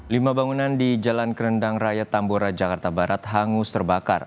lima bangunan di jalan kerendang raya tambora jakarta barat hangus terbakar